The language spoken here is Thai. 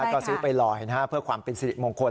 ก็ซื้อไปลอยเพื่อความเป็นสิริมงคล